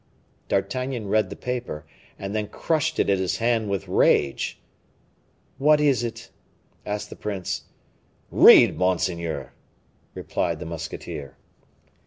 D'Artagnan read the paper, and then crushed it in his hand with rage. "What is it?" asked the prince. "Read, monseigneur," replied the musketeer.